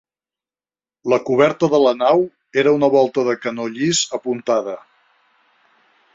La coberta de la nau era una volta de canó llis apuntada.